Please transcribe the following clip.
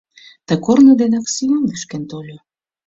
Ты корно денак сӱан лӱшкен тольо.